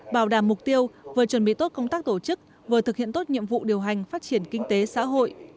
bảo đảm mục tiêu vừa chuẩn bị tốt công tác tổ chức vừa thực hiện tốt nhiệm vụ điều hành phát triển kinh tế xã hội